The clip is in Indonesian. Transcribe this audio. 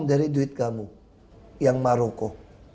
dari duit kamu yang maroko